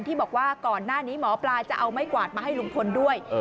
ที่บอกว่าก่อนหน้านี้หมอปลาจะเอาไม้กวาดมาให้ลุงพลด้วย